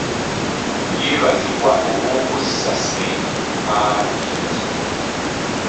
Yeebazibwa olw'okuzza ssente mu paalamenti.